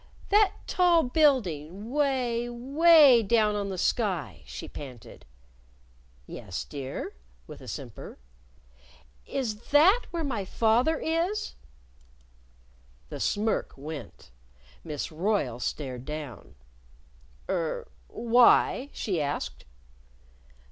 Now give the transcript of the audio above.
"That tall building 'way, 'way down on the sky," she panted. "Yes, dear?" with a simper. "Is that where my father is?" The smirk went. Miss Royle stared down. "Er why?" she asked.